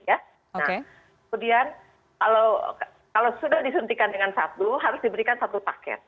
nah kemudian kalau sudah disuntikan dengan satu harus diberikan satu paket